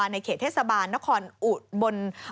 ในเขตเทศบาลนครอุดบน